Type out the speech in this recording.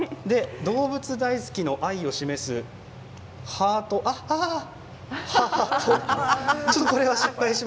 動物大好きの愛を示すハートまあまあ。